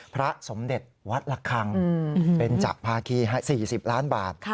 พระสมเด็จวัดละคังเป็นจภาคี๔๐ล้านบาท